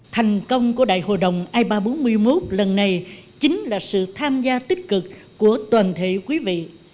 thành công của đại hội đồng ipa bốn mươi một lần này chính là sự tham gia tích cực của toàn thể quý vị